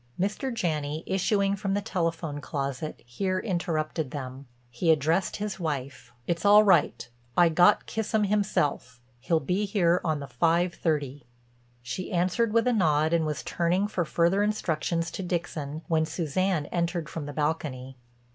Mr. Janney, issuing from the telephone closet, here interrupted them. He addressed his wife: "It's all right. I got Kissam himself. He'll be here on the 5:30." She answered with a nod and was turning for further instructions to Dixon when Suzanne entered from the balcony.